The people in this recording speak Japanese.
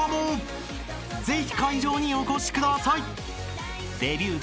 ［ぜひ会場にお越しください］